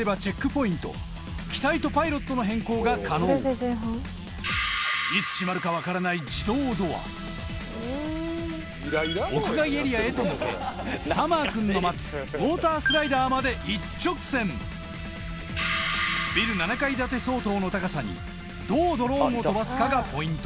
ここを抜ければいつ閉まるか分からない屋外エリアへと抜けサマーくんの待つウォータースライダーまで一直線ビル７階建て相当の高さにどうドローンを飛ばすかがポイント